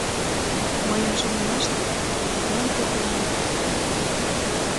Мыйын шонымаште, тидлан те куанен кертыда.